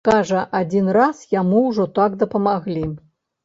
Кажа, адзін раз яму ўжо так дапамаглі.